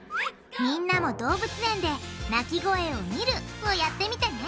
みんなも動物園で鳴き声を「見る」をやってみてね！